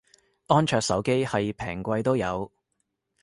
安卓手機係平貴都有